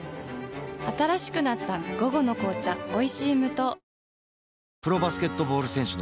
新しくなった「午後の紅茶おいしい無糖」